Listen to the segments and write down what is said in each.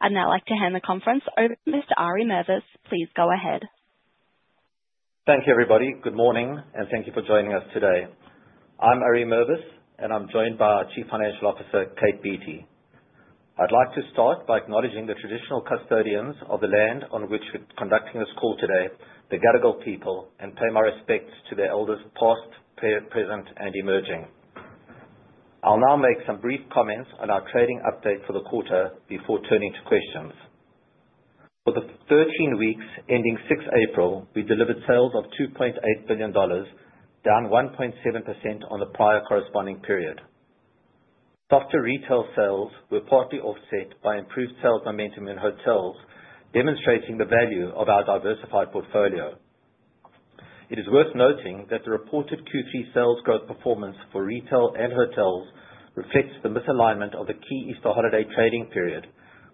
I would like to hand the conference over to Mr. Ari Mervis. Please go ahead. Thank you, everybody. Good morning, and thank you for joining us today. I'm Ari Mervis, and I'm joined by our Chief Financial Officer, Kate Beattie. I'd like to start by acknowledging the traditional custodians of the land on which we're conducting this call today, the Gadigal people, and pay my respects to their elders past, present, and emerging. I'll now make some brief comments on our trading update for the quarter before turning to questions. For the 13 weeks ending 6th April, we delivered sales of 2.8 billion dollars, down 1.7% on the prior corresponding period. Softer retail sales were partly offset by improved sales momentum in hotels, demonstrating the value of our diversified portfolio. It is worth noting that the reported Q3 sales growth performance for retail and hotels reflects the misalignment of the key Easter holiday trading period,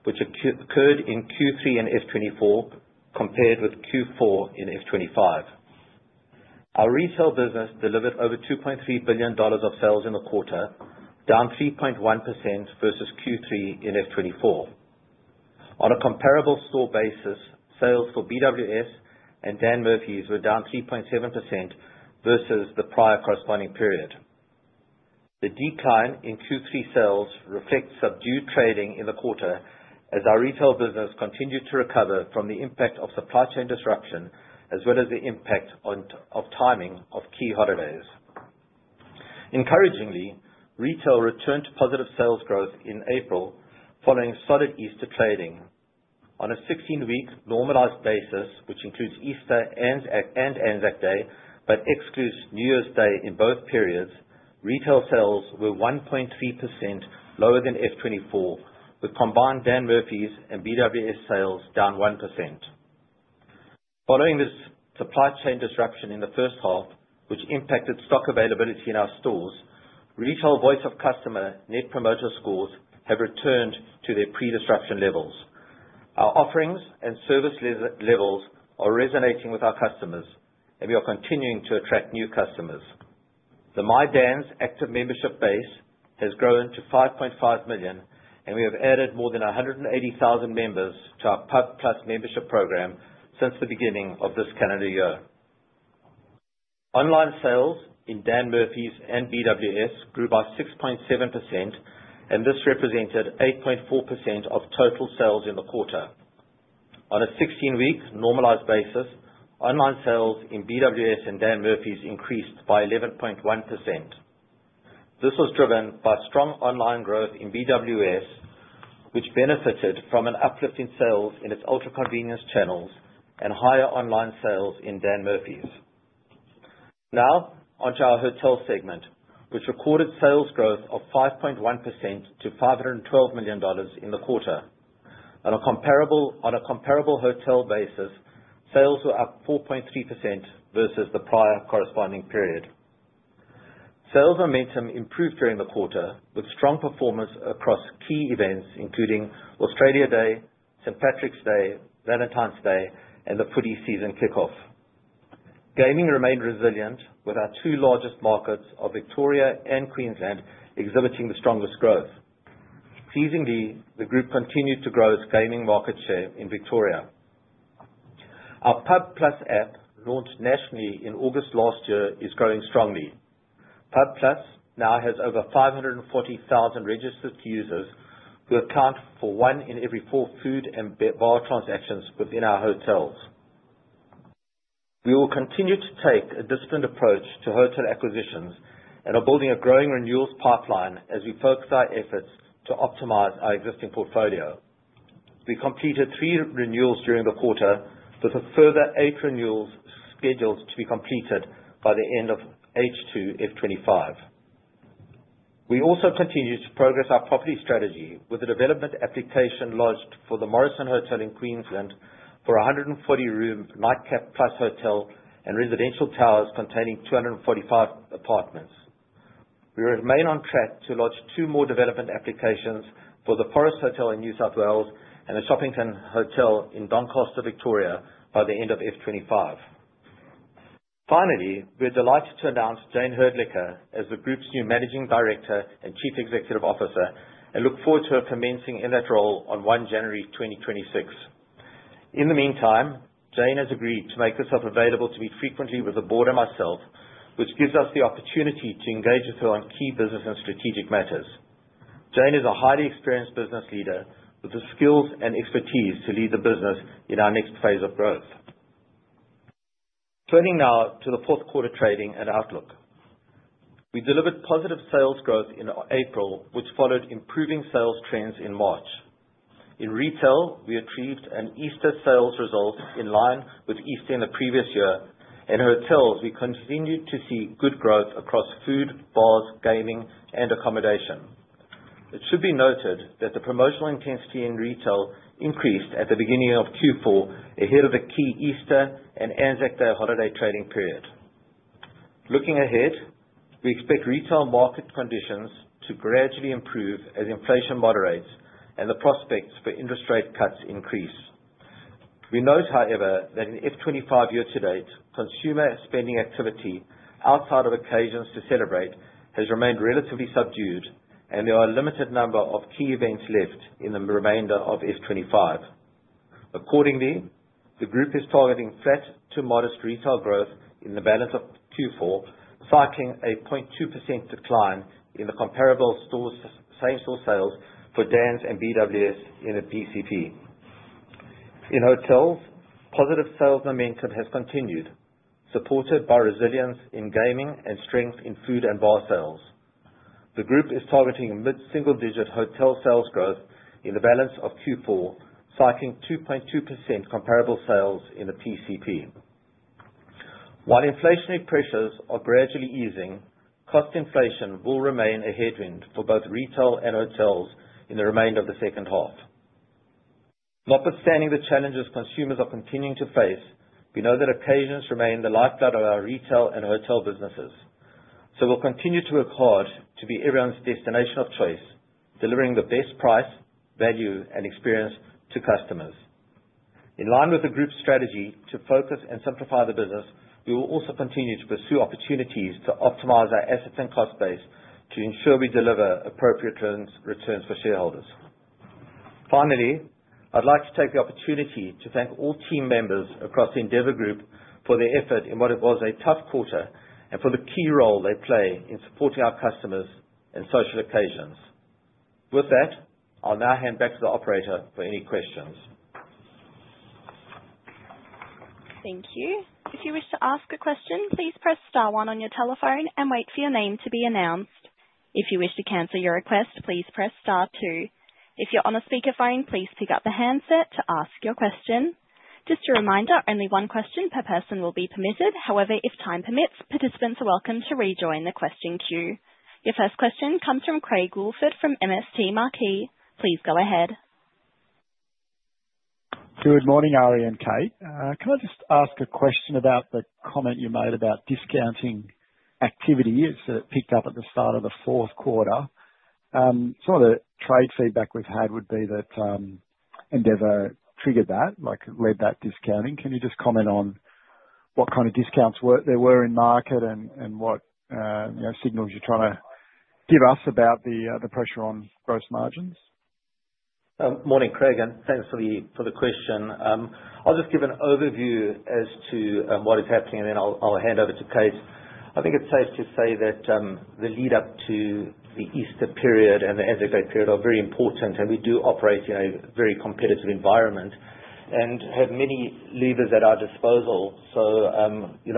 which occurred in Q3 in F 2024 compared with Q4 in F 2025. Our retail business delivered over 2.3 billion dollars of sales in the quarter, down 3.1% versus Q3 and F 2024. On a comparable store basis, sales for BWS and Dan Murphy's were down 3.7% versus the prior corresponding period. The decline in Q3 sales reflects subdued trading in the quarter as our retail business continued to recover from the impact of supply chain disruption, as well as the impact of timing of key holidays. Encouragingly, retail returned to positive sales growth in April following solid Easter trading. On a 16-week normalized basis, which includes Easter and ANZAC Day, but excludes New Year's Day in both periods, retail sales were 1.3% lower than F 2024, with combined Dan Murphy's and BWS sales down 1%. Following this supply chain disruption in the first half, which impacted stock availability in our stores, retail voice of customer net promoter scores have returned to their pre-disruption levels. Our offerings and service levels are resonating with our customers, and we are continuing to attract new customers. The My Dan's active membership base has grown to 5.5 million, and we have added more than 180,000 members to our Pub+ membership program since the beginning of this calendar year. Online sales in Dan Murphy's and BWS grew by 6.7%, and this represented 8.4% of total sales in the quarter. On a 16-week normalized basis, online sales in BWS and Dan Murphy's increased by 11.1%. This was driven by strong online growth in BWS, which benefited from an uplift in sales in its ultra-convenience channels and higher online sales in Dan Murphy's. Now onto our hotel segment, which recorded sales growth of 5.1% to 512 million dollars in the quarter. On a comparable hotel basis, sales were up 4.3% versus the prior corresponding period. Sales momentum improved during the quarter, with strong performance across key events including Australia Day, St. Patrick's Day, Valentine's Day, and the foodie season kickoff. Gaming remained resilient, with our two largest markets, Victoria and Queensland, exhibiting the strongest growth. Seasonally, the group continued to grow its gaming market share in Victoria. Our Pub+ app, launched nationally in August last year, is growing strongly. Pub+ now has over 540,000 registered users who account for one in every four food and bar transactions within our hotels. We will continue to take a disciplined approach to hotel acquisitions and are building a growing renewals pipeline as we focus our efforts to optimize our existing portfolio. We completed three renewals during the quarter, with a further eight renewals scheduled to be completed by the end of H2 F 2025. We also continue to progress our property strategy with the development application launched for the Morrison Hotel in Queensland for a 140-room Nightcap Plus Hotel and residential towers containing 245 apartments. We remain on track to launch two more development applications for the Forest Hotel in New South Wales and a Shoppingtown Hotel in Doncaster, Victoria, by the end of F 2025. Finally, we're delighted to announce Jayne Hrdlicka as the group's new Managing Director and Chief Executive Officer and look forward to her commencing in that role on 1 January 2026. In the meantime, Jayne has agreed to make herself available to meet frequently with the board and myself, which gives us the opportunity to engage with her on key business and strategic matters. Jayne is a highly experienced business leader with the skills and expertise to lead the business in our next phase of growth. Turning now to the fourth quarter trading and outlook. We delivered positive sales growth in April, which followed improving sales trends in March. In retail, we achieved an Easter sales result in line with Easter in the previous year, and in hotels, we continued to see good growth across food, bars, gaming, and accommodation. It should be noted that the promotional intensity in retail increased at the beginning of Q4 ahead of the key Easter and ANZAC Day holiday trading period. Looking ahead, we expect retail market conditions to gradually improve as inflation moderates and the prospects for interest rate cuts increase. We note, however, that in F 2025 year-to-date, consumer spending activity outside of occasions to celebrate has remained relatively subdued, and there are a limited number of key events left in the remainder of F 2025. Accordingly, the group is targeting flat to modest retail growth in the balance of Q4, cycling a 0.2% decline in the comparable same-store sales for Dan Murphy's and BWS in the PCP. In hotels, positive sales momentum has continued, supported by resilience in gaming and strength in food and bar sales. The group is targeting mid-single-digit hotel sales growth in the balance of Q4, cycling 2.2% comparable sales in the PCP. While inflationary pressures are gradually easing, cost inflation will remain a headwind for both retail and hotels in the remainder of the second half. Notwithstanding the challenges consumers are continuing to face, we know that occasions remain the lifeblood of our retail and hotel businesses. We will continue to work hard to be everyone's destination of choice, delivering the best price, value, and experience to customers. In line with the group's strategy to focus and simplify the business, we will also continue to pursue opportunities to optimize our assets and cost base to ensure we deliver appropriate returns for shareholders. Finally, I'd like to take the opportunity to thank all team members across the Endeavour Group for their effort in what was a tough quarter and for the key role they play in supporting our customers and social occasions. With that, I'll now hand back to the operator for any questions. Thank you. If you wish to ask a question, please press star one on your telephone and wait for your name to be announced. If you wish to cancel your request, please press star two. If you're on a speakerphone, please pick up the handset to ask your question. Just a reminder, only one question per person will be permitted. However, if time permits, participants are welcome to rejoin the question queue. Your first question comes from Craig Woolford from MST Marquee. Please go ahead. Good morning, Ari and Kate. Can I just ask a question about the comment you made about discounting activity? It said it picked up at the start of the fourth quarter. Some of the trade feedback we've had would be that Endeavour triggered that, led that discounting. Can you just comment on what kind of discounts there were in market and what signals you're trying to give us about the pressure on gross margins? Morning, Craig. Thanks for the question. I'll just give an overview as to what is happening, and then I'll hand over to Kate. I think it's safe to say that the lead-up to the Easter period and the ANZAC Day period are very important, and we do operate in a very competitive environment and have many levers at our disposal.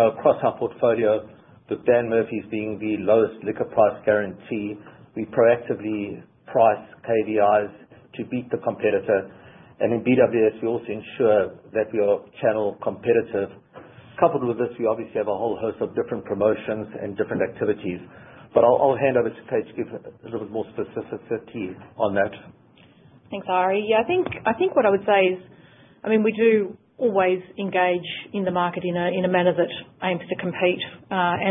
Across our portfolio, with Dan Murphy's being the lowest liquor price guarantee, we proactively price KVIs to beat the competitor. In BWS, we also ensure that we are channel competitive. Coupled with this, we obviously have a whole host of different promotions and different activities. I'll hand over to Kate to give a little bit more specificity on that. Thanks, Ari. Yeah, I think what I would say is, I mean, we do always engage in the market in a manner that aims to compete.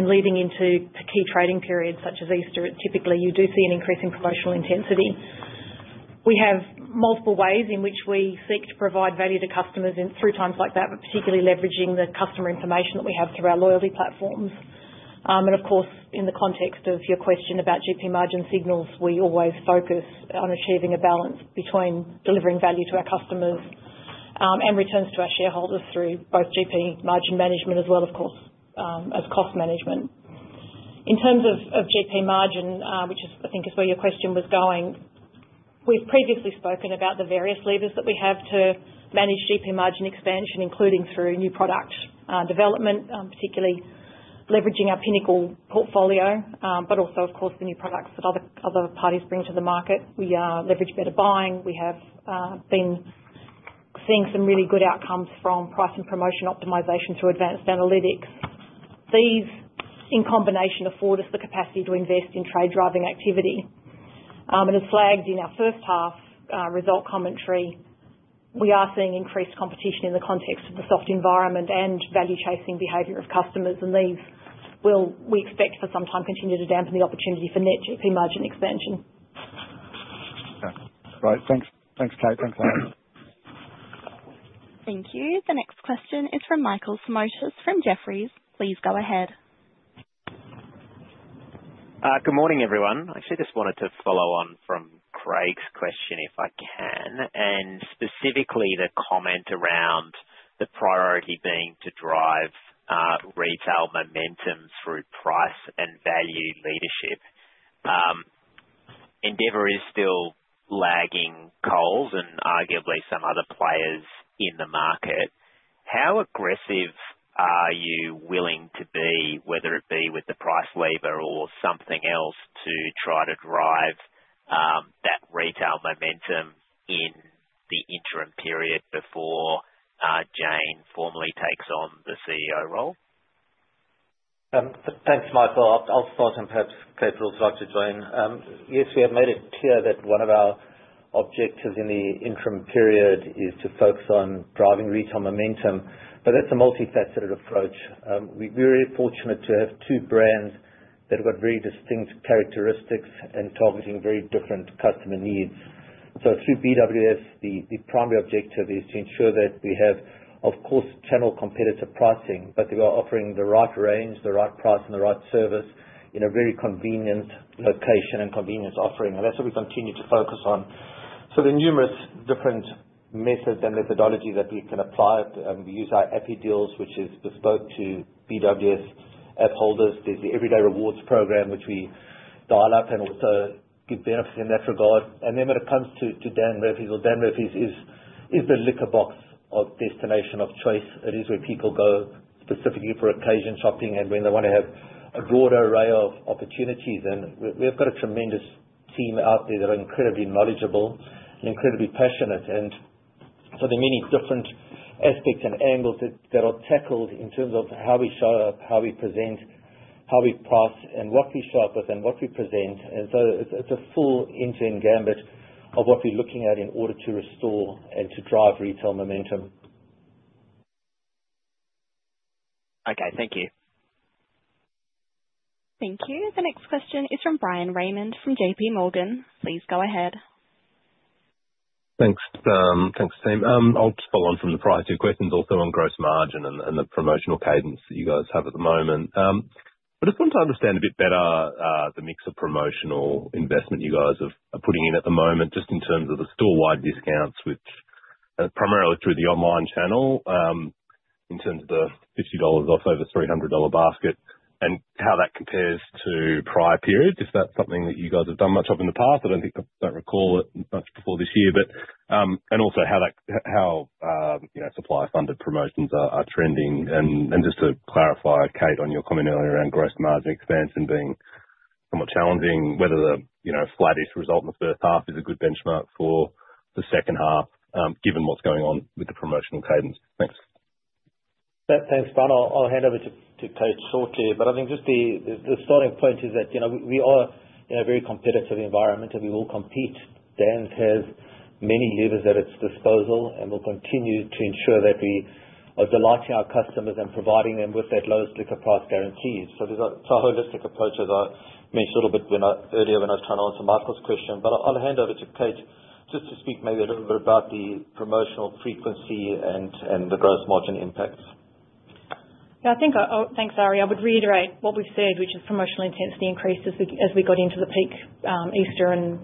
Leading into key trading periods such as Easter, typically you do see an increase in promotional intensity. We have multiple ways in which we seek to provide value to customers through times like that, particularly leveraging the customer information that we have through our loyalty platforms. Of course, in the context of your question about GP margin signals, we always focus on achieving a balance between delivering value to our customers and returns to our shareholders through both GP margin management as well, of course, as cost management. In terms of GP margin, which I think is where your question was going, we've previously spoken about the various levers that we have to manage GP margin expansion, including through new product development, particularly leveraging our Pinnacle portfolio, but also, of course, the new products that other parties bring to the market. We leverage better buying. We have been seeing some really good outcomes from price and promotion optimization through advanced analytics. These, in combination, afford us the capacity to invest in trade-driving activity. As flagged in our first half result commentary, we are seeing increased competition in the context of the soft environment and value-chasing behavior of customers. These will, we expect for some time, continue to dampen the opportunity for net GP margin expansion. Okay. Great. Thanks, Kate. Thanks, Ari. Thank you. The next question is from Michael Simotas from Jefferies. Please go ahead. Good morning, everyone. I actually just wanted to follow on from Craig's question, if I can, and specifically the comment around the priority being to drive retail momentum through price and value leadership. Endeavour is still lagging Coles and arguably some other players in the market. How aggressive are you willing to be, whether it be with the price lever or something else, to try to drive that retail momentum in the interim period before Jayne formally takes on the CEO role? Thanks, Michael. I'll start, and perhaps Kate will start to join. Yes, we have made it clear that one of our objectives in the interim period is to focus on driving retail momentum, but that's a multi-faceted approach. We're fortunate to have two brands that have got very distinct characteristics and targeting very different customer needs. Through BWS, the primary objective is to ensure that we have, of course, channel competitor pricing, but we are offering the right range, the right price, and the right service in a very convenient location and convenience offering. That's what we continue to focus on. There are numerous different methods and methodologies that we can apply. We use our Appy Deals, which is bespoke to BWS app holders. There's the Everyday Rewards program, which we dial up and also give benefits in that regard. When it comes to Dan Murphy's, Dan Murphy's is the liquor box of destination of choice. It is where people go specifically for occasion shopping and when they want to have a broader array of opportunities. We have a tremendous team out there that are incredibly knowledgeable and incredibly passionate. There are many different aspects and angles that are tackled in terms of how we show up, how we present, how we price, and what we show up with and what we present. It is a full end-to-end gambit of what we are looking at in order to restore and to drive retail momentum. Okay. Thank you. Thank you. The next question is from Bryan Raymond from JPMorgan. Please go ahead. Thanks. I'll just follow on from the prior two questions also on gross margin and the promotional cadence that you guys have at the moment. I just want to understand a bit better the mix of promotional investment you guys are putting in at the moment, just in terms of the store-wide discounts, which are primarily through the online channel in terms of the 50 dollars off over 300 dollar basket, and how that compares to prior periods. Is that something that you guys have done much of in the past? I don't think I recall it much before this year, but also how supply-funded promotions are trending. Just to clarify, Kate, on your comment earlier around gross margin expansion being somewhat challenging, whether the flattest result in the first half is a good benchmark for the second half, given what's going on with the promotional cadence? Thanks. Thanks, Brian. I'll hand over to Kate shortly. I think just the starting point is that we are in a very competitive environment, and we will compete. Dan has many levers at its disposal, and we'll continue to ensure that we are delighting our customers and providing them with that lowest liquor price guarantee. It is a holistic approach, as I mentioned a little bit earlier when I was trying to answer Michael's question. I'll hand over to Kate just to speak maybe a little bit about the promotional frequency and the gross margin impacts. Yeah, I think, thanks, Ari. I would reiterate what we've said, which is promotional intensity increased as we got into the peak Easter and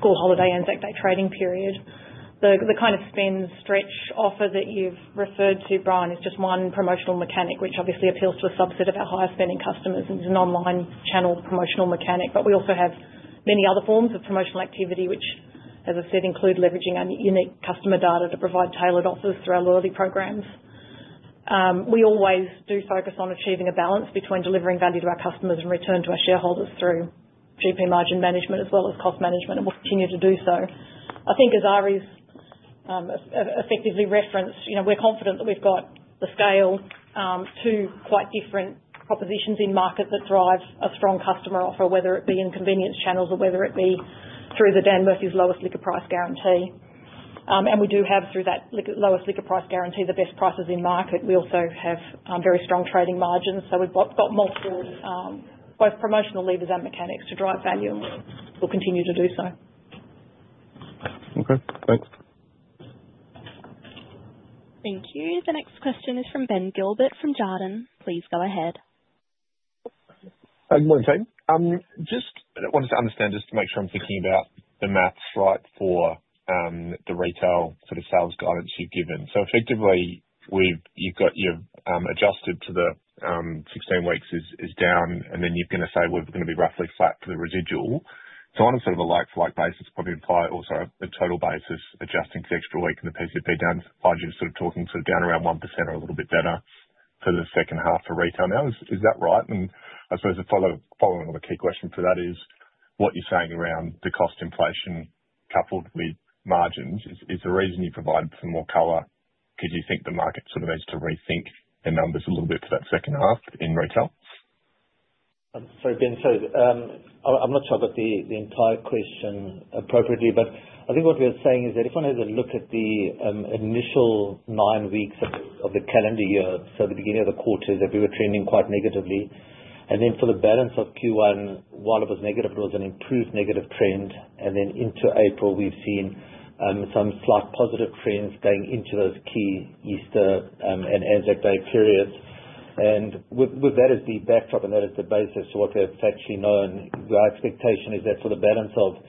school holiday ANZAC Day trading period. The kind of spend stretch offer that you've referred to, Brian, is just one promotional mechanic, which obviously appeals to a subset of our higher-spending customers and is an online channel promotional mechanic. We also have many other forms of promotional activity, which, as I've said, include leveraging our unique customer data to provide tailored offers through our loyalty programs. We always do focus on achieving a balance between delivering value to our customers and return to our shareholders through GP margin management as well as cost management, and we'll continue to do so. I think, as Ari's effectively referenced, we're confident that we've got the scale to quite different propositions in market that drive a strong customer offer, whether it be in convenience channels or whether it be through the Dan Murphy's lowest liquor price guarantee. We do have, through that lowest liquor price guarantee, the best prices in market. We also have very strong trading margins. We've got multiple both promotional levers and mechanics to drive value, and we'll continue to do so. Okay. Thanks. Thank you. The next question is from Ben Gilbert from Jarden. Please go ahead. Good morning, Kate. I wanted to understand just to make sure I'm thinking about the maths right for the retail sort of sales guidance you've given. Effectively, you've got your adjusted to the 16 weeks is down, and then you're going to say we're going to be roughly flat for the residual. On a sort of a like-for-like basis, probably apply or sorry, a total basis, adjusting for the extra week and the PCP down, find you sort of talking sort of down around 1% or a little bit better for the second half for retail now. Is that right? I suppose the following other key question for that is what you're saying around the cost inflation coupled with margins is the reason you provide some more color. Could you think the market sort of needs to rethink their numbers a little bit for that second half in retail? Sorry, Ben. I'm not sure I got the entire question appropriately, but I think what we're saying is that if one has a look at the initial nine weeks of the calendar year, so the beginning of the quarter, we were trending quite negatively. For the balance of Q1, while it was negative, it was an improved negative trend. Into April, we've seen some slight positive trends going into those key Easter and ANZAC Day periods. With that as the backdrop, and that is the basis to what we have factually known, our expectation is that for the balance of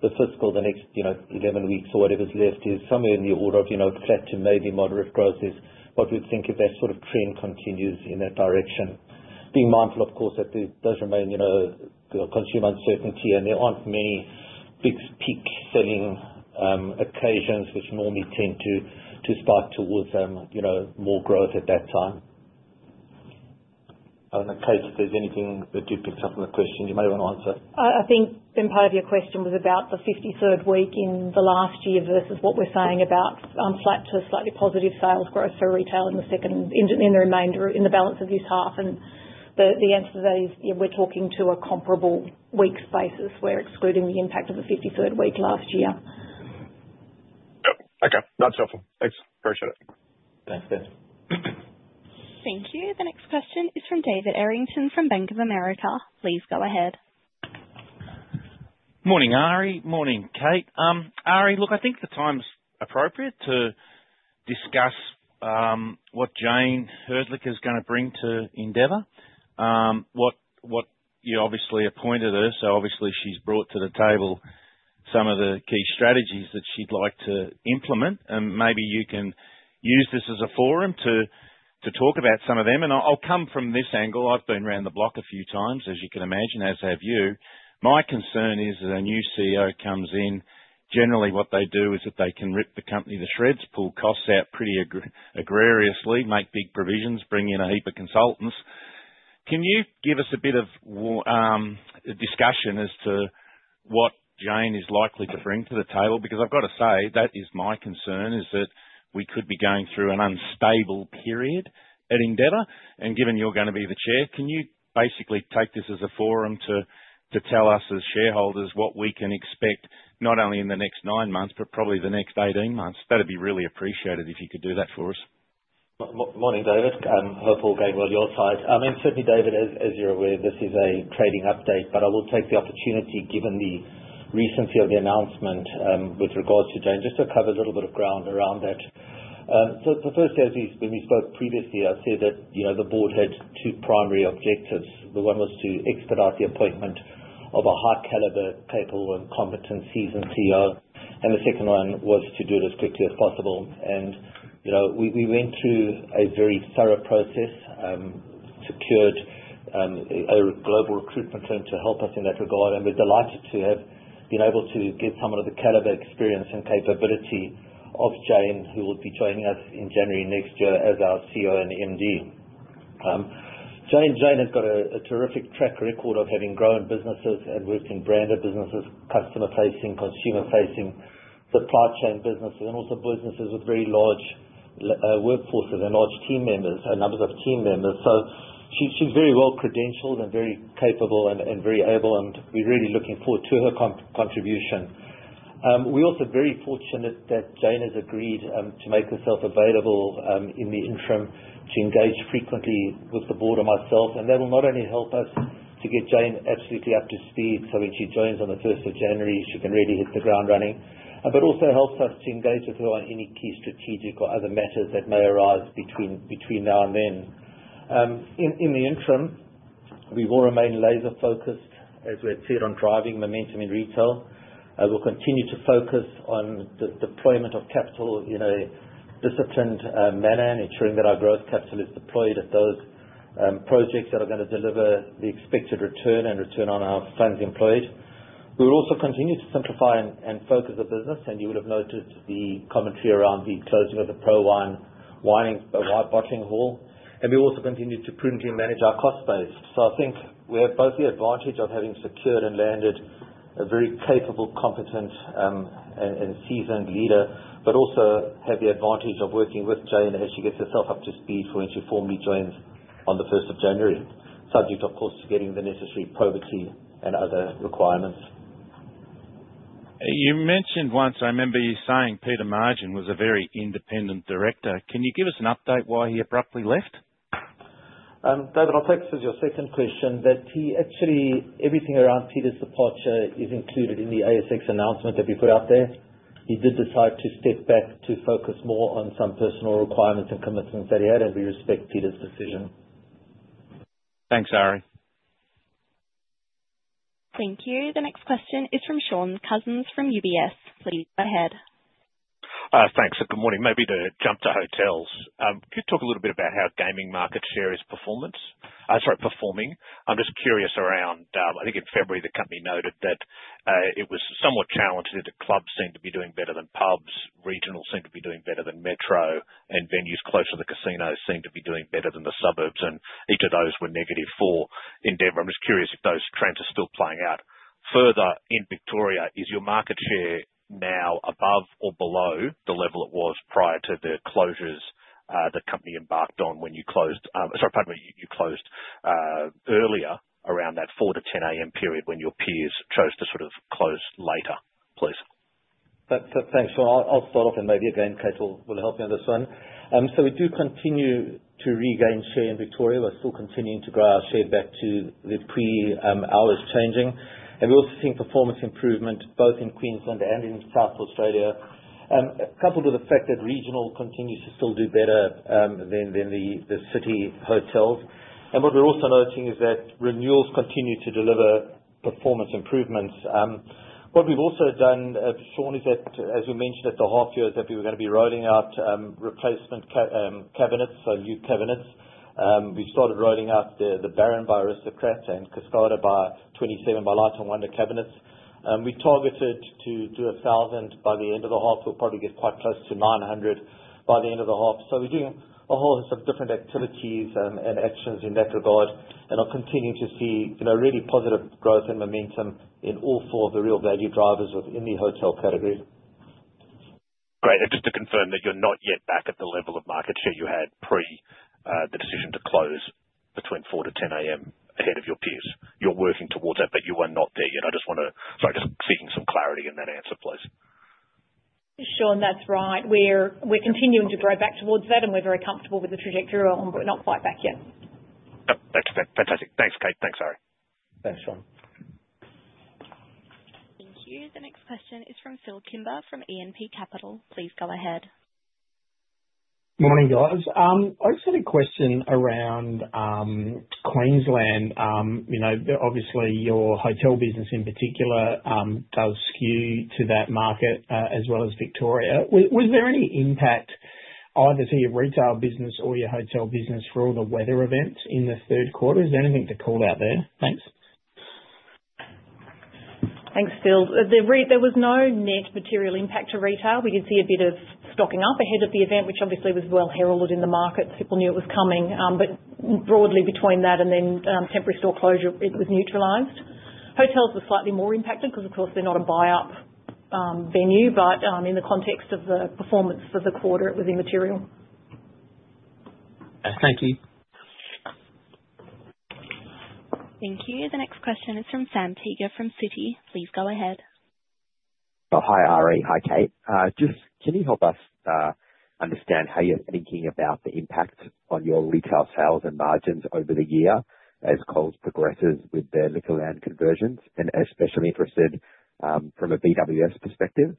the fiscal, the next 11 weeks or whatever's left is somewhere in the order of flat to maybe moderate growth is what we'd think if that sort of trend continues in that direction. Being mindful, of course, that there does remain consumer uncertainty, and there aren't many big peak selling occasions which normally tend to spark towards more growth at that time. I don't know, Kate, if there's anything that you picked up on the question, you may want to answer. I think in part of your question was about the 53rd week in the last year versus what we're saying about flat to slightly positive sales growth for retail in the remainder in the balance of this half. The answer to that is, yeah, we're talking to a comparable week's basis. We're excluding the impact of the 53rd week last year. Yep. Okay. That's helpful. Thanks. Appreciate it. Thanks, Ben. Thank you. The next question is from David Errington from Bank of America. Please go ahead. Morning, Ari. Morning, Kate. Ari, look, I think the time's appropriate to discuss what Jayne Hrdlicka is going to bring to Endeavour. You obviously appointed her, so obviously she's brought to the table some of the key strategies that she'd like to implement. Maybe you can use this as a forum to talk about some of them. I'll come from this angle. I've been around the block a few times, as you can imagine, as have you. My concern is that a new CEO comes in, generally what they do is that they can rip the company to shreds, pull costs out pretty aggressively, make big provisions, bring in a heap of consultants. Can you give us a bit of discussion as to what Jayne is likely to bring to the table? Because I've got to say, that is my concern, is that we could be going through an unstable period at Endeavour. Given you're going to be the chair, can you basically take this as a forum to tell us as shareholders what we can expect not only in the next nine months, but probably the next 18 months? That'd be really appreciated if you could do that for us. Morning, David. Hopefully, I'm getting well your side. Certainly, David, as you're aware, this is a trading update. I will take the opportunity, given the recency of the announcement with regards to Jayne, just to cover a little bit of ground around that. The first is, when we spoke previously, I said that the board had two primary objectives. One was to expedite the appointment of a high-caliber, capable, and competent seasoned CEO. The second one was to do it as quickly as possible. We went through a very thorough process, secured a global recruitment team to help us in that regard. We're delighted to have been able to get someone of the caliber, experience, and capability of Jayne, who will be joining us in January next year as our CEO and MD. Jane has got a terrific track record of having grown businesses and worked in branded businesses, customer-facing, consumer-facing, supply chain businesses, and also businesses with very large workforces and large team members, numbers of team members. She is very well-credentialed and very capable and very able, and we are really looking forward to her contribution. We are also very fortunate that Jane has agreed to make herself available in the interim to engage frequently with the board and myself. That will not only help us to get Jane absolutely up to speed so when she joins on the 1st of January, she can really hit the ground running, but also helps us to engage with her on any key strategic or other matters that may arise between now and then. In the interim, we will remain laser-focused, as we had said, on driving momentum in retail. We'll continue to focus on the deployment of capital in a disciplined manner, ensuring that our gross capital is deployed at those projects that are going to deliver the expected return and return on our funds employed. We will also continue to simplify and focus the business. You will have noticed the commentary around the closing of the Prowine white bottling hall. We will also continue to prudently manage our cost base. I think we have both the advantage of having secured and landed a very capable, competent, and seasoned leader, but also have the advantage of working with Jayne as she gets herself up to speed for when she formally joins on the 1st of January, subject, of course, to getting the necessary probity and other requirements. You mentioned once, I remember you saying Peter Margin was a very independent director. Can you give us an update why he abruptly left? David, I'll take this as your second question, that he actually everything around Peter's departure is included in the ASX announcement that we put out there. He did decide to step back to focus more on some personal requirements and commitments that he had, and we respect Peter's decision. Thanks, Ari. Thank you. The next question is from Shaun Cousins from UBS. Please go ahead. Thanks. Good morning. Maybe to jump to hotels, could you talk a little bit about how gaming market share is performing? I'm just curious around, I think in February, the company noted that it was somewhat challenged in the clubs seemed to be doing better than pubs, regionals seemed to be doing better than metro, and venues close to the casinos seemed to be doing better than the suburbs. Each of those were negative for Endeavour. I'm just curious if those trends are still playing out further in Victoria. Is your market share now above or below the level it was prior to the closures the company embarked on when you closed, sorry, pardon me, you closed earlier around that 4:00-10:00 A.M. period when your peers chose to sort of close later, please? Thanks, Shaun. I'll start off, and maybe again, Kate will help me on this one. We do continue to regain share in Victoria. We're still continuing to grow our share back to the pre-hours changing. We also see performance improvement both in Queensland and in South Australia, coupled with the fact that regional continues to still do better than the city hotels. What we're also noting is that renewals continue to deliver performance improvements. What we've also done, Sean, is that, as we mentioned at the half-year, we were going to be rolling out replacement cabinets, so new cabinets. We started rolling out the Baron by Aristocrat and Kascada by Light & Wonder cabinets. We targeted to do 1,000 by the end of the half. We'll probably get quite close to 900 by the end of the half. We're doing a whole host of different activities and actions in that regard. I'll continue to see really positive growth and momentum in all four of the real value drivers within the hotel category. Great. Just to confirm that you're not yet back at the level of market share you had pre the decision to close between 4:00-10:00 A.M. ahead of your peers. You're working towards that, but you are not there yet. I just want to—sorry, just seeking some clarity in that answer, please. Shaun, that's right. We're continuing to grow back towards that, and we're very comfortable with the trajectory we're on, but we're not quite back yet. Yep. Fantastic. Thanks, Kate. Thanks, Ari. Thanks, Shaun. Thank you. The next question is from Phil Kimber from E&P Capital. Please go ahead. Morning, guys. I just had a question around Queensland. Obviously, your hotel business in particular does skew to that market as well as Victoria. Was there any impact, either to your retail business or your hotel business, for all the weather events in the third quarter? Is there anything to call out there? Thanks. Thanks, Phil. There was no net material impact to retail. We did see a bit of stocking up ahead of the event, which obviously was well heralded in the markets. People knew it was coming. Broadly between that and then temporary store closure, it was neutralized. Hotels were slightly more impacted because, of course, they're not a buy-up venue. In the context of the performance for the quarter, it was immaterial. Thank you. Thank you. The next question is from Sam Teeger from Citi. Please go ahead. Hi, Ari. Hi, Kate. Just can you help us understand how you're thinking about the impact on your retail sales and margins over the year as Coles progresses with the Liquorland conversions? And especially interested from a BWS perspective.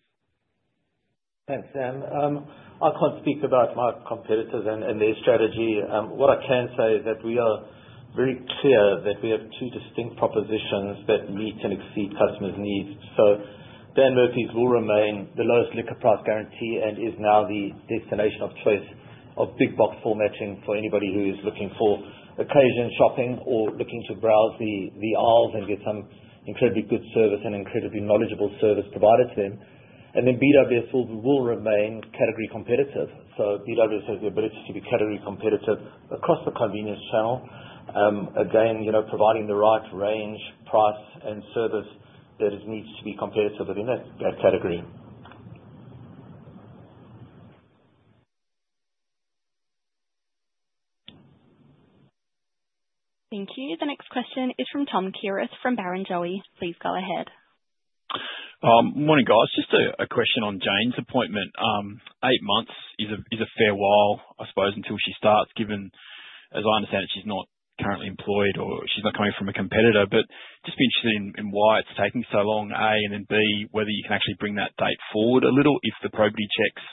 Thanks, Sam. I can't speak about my competitors and their strategy. What I can say is that we are very clear that we have two distinct propositions that meet and exceed customers' needs. Dan Murphy's will remain the lowest liquor price guarantee and is now the destination of choice of big box formatting for anybody who is looking for occasion shopping or looking to browse the aisles and get some incredibly good service and incredibly knowledgeable service provided to them. BWS will remain category competitive. BWS has the ability to be category competitive across the convenience channel, again, providing the right range, price, and service that needs to be competitive within that category. Thank you. The next question is from Tom Kierath from Barrenjoey. Please go ahead. Morning, guys. Just a question on Jayne's appointment. Eight months is a fair while, I suppose, until she starts, given, as I understand it, she's not currently employed or she's not coming from a competitor. Just be interested in why it's taking so long, A, and then B, whether you can actually bring that date forward a little if the probity checks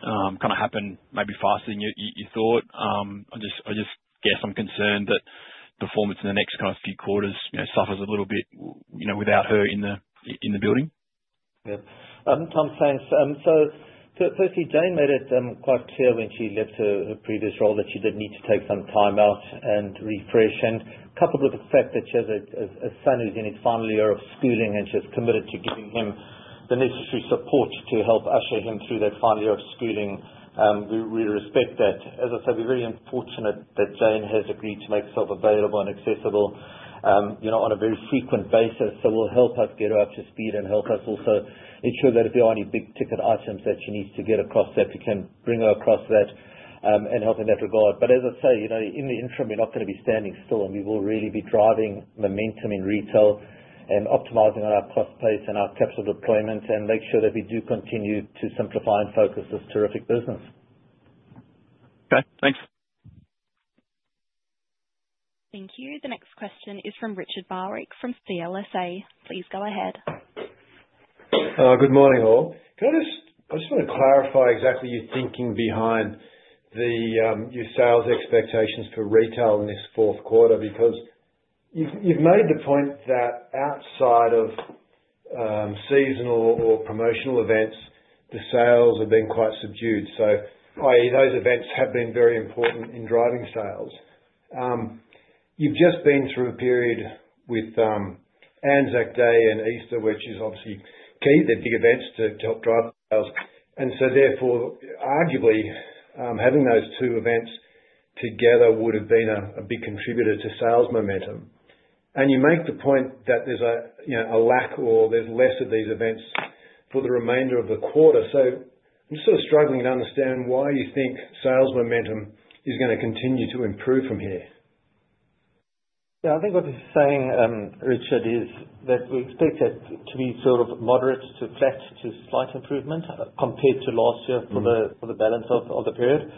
kind of happen maybe faster than you thought. I just guess I'm concerned that performance in the next kind of few quarters suffers a little bit without her in the building. Yep. Tom, thanks. Firstly, Jayne made it quite clear when she left her previous role that she did need to take some time out and refresh. Coupled with the fact that she has a son who's in his final year of schooling and she's committed to giving him the necessary support to help usher him through that final year of schooling, we respect that. As I said, we're very fortunate that Jayne has agreed to make herself available and accessible on a very frequent basis. It will help us get her up to speed and help us also ensure that if there are any big-ticket items that she needs to get across, we can bring her across that and help in that regard. As I say, in the interim, we're not going to be standing still, and we will really be driving momentum in retail and optimizing on our cost base and our capital deployment and make sure that we do continue to simplify and focus this terrific business. Okay. Thanks. Thank you. The next question is from Richard Barwick from CLSA. Please go ahead. Good morning, all. Can I just—I just want to clarify exactly your thinking behind your sales expectations for retail in this fourth quarter because you've made the point that outside of seasonal or promotional events, the sales have been quite subdued. I.e., those events have been very important in driving sales. You've just been through a period with ANZAC Day and Easter, which is obviously key, they're big events to help drive sales. Therefore, arguably, having those two events together would have been a big contributor to sales momentum. You make the point that there's a lack or there's less of these events for the remainder of the quarter. I'm just sort of struggling to understand why you think sales momentum is going to continue to improve from here. Yeah. I think what you're saying, Richard, is that we expect that to be sort of moderate to flat to slight improvement compared to last year for the balance of the period.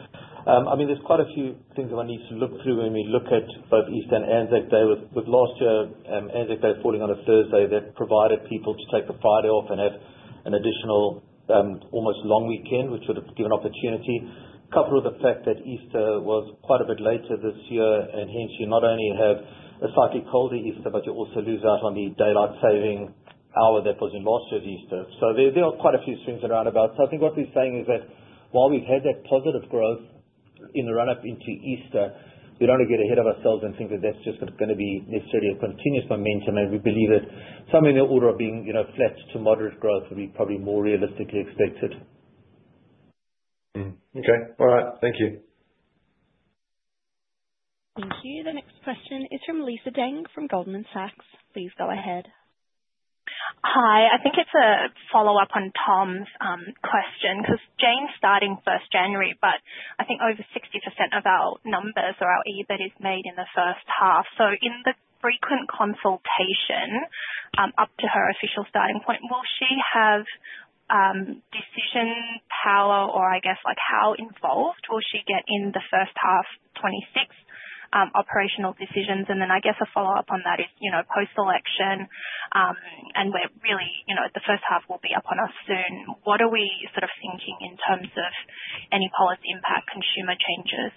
I mean, there's quite a few things that we need to look through when we look at both Easter and ANZAC Day. With last year, ANZAC Day falling on a Thursday, that provided people to take the Friday off and have an additional almost long weekend, which would have given opportunity. Coupled with the fact that Easter was quite a bit later this year, and hence you not only have a slightly colder Easter, but you also lose out on the daylight saving hour that was in last year's Easter. There are quite a few swings and roundabouts. I think what we're saying is that while we've had that positive growth in the run-up into Easter, we don't want to get ahead of ourselves and think that that's just going to be necessarily a continuous momentum. We believe that something in the order of being flat to moderate growth would be probably more realistically expected. Okay. All right. Thank you. Thank you. The next question is from Lisa Deng from Goldman Sachs. Please go ahead. Hi. I think it's a follow-up on Tom's question because Jayne's starting 1st January, but I think over 60% of our numbers or our EBIT is made in the first half. In the frequent consultation up to her official starting point, will she have decision power or, I guess, how involved will she get in the first half, 2026 operational decisions? I guess a follow-up on that is post-election, and really the first half will be up on us soon. What are we sort of thinking in terms of any policy impact, consumer changes,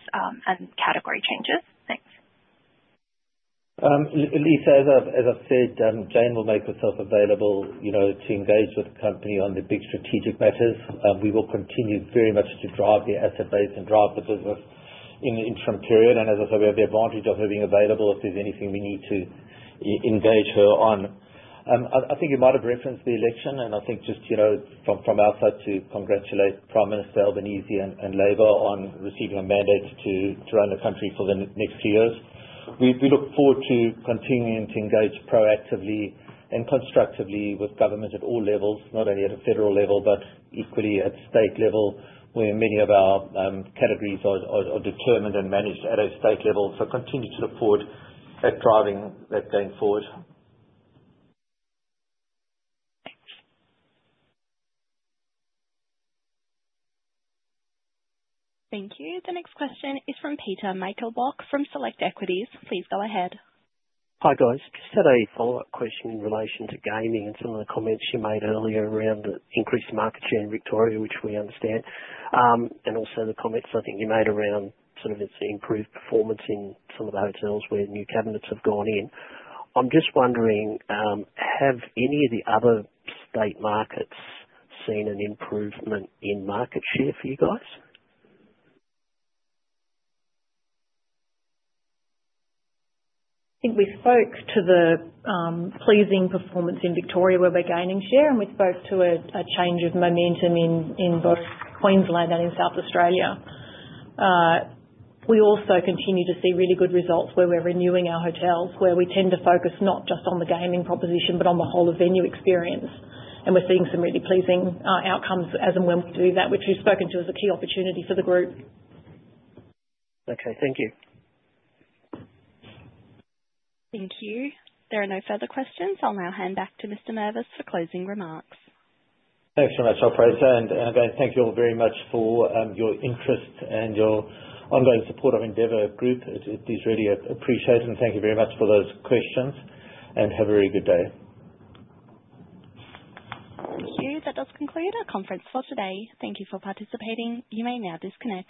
and category changes? Thanks. Lisa, as I said, Jayne will make herself available to engage with the company on the big strategic matters. We will continue very much to drive the asset base and drive the business in the interim period. As I said, we have the advantage of her being available if there's anything we need to engage her on. I think you might have referenced the election, and I think just from our side to congratulate Prime Minister Albanese and Labour on receiving a mandate to run the country for the next two years. We look forward to continuing to engage proactively and constructively with government at all levels, not only at a federal level but equally at state level, where many of our categories are determined and managed at a state level. Continue to look forward at driving that going forward. Thanks. Thank you. The next question is from Peter Meichelboeck from Select Equities. Please go ahead. Hi, guys. Just had a follow-up question in relation to gaming and some of the comments you made earlier around the increased market share in Victoria, which we understand, and also the comments I think you made around sort of its improved performance in some of the hotels where new cabinets have gone in. I'm just wondering, have any of the other state markets seen an improvement in market share for you guys? I think we spoke to the pleasing performance in Victoria where we're gaining share, and we spoke to a change of momentum in both Queensland and in South Australia. We also continue to see really good results where we're renewing our hotels, where we tend to focus not just on the gaming proposition but on the whole of venue experience. We're seeing some really pleasing outcomes as and when we do that, which we've spoken to as a key opportunity for the group. Okay. Thank you. Thank you. There are no further questions. I'll now hand back to Mr. Mervis for closing remarks. Thanks so much, I appreciate it. Again, thank you all very much for your interest and your ongoing support of Endeavour Group. It is really appreciated, and thank you very much for those questions. Have a very good day. Thank you. That does conclude our conference for today. Thank you for participating. You may now disconnect.